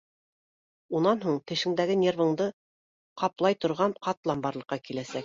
Унан һуң тешеңдәге нервыңдың ҡаплай торған ҡатлам барлыҡҡа киләсәк.